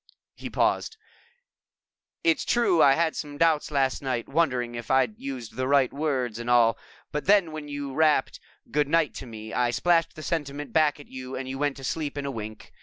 He paused. "It's true I had some doubts last night, wondering if I'd used the right words and all, but then when you rapped 'Good night' to me, I splashed the sentiment back at you and went to sleep in a wink.